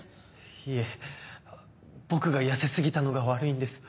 いえ僕が痩せ過ぎたのが悪いんです。